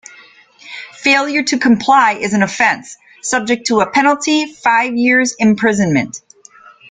Failure to comply is an offence, subject to a penalty five years imprisonment.